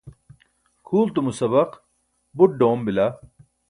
kʰultumo sabaq buṭ ḍoom bila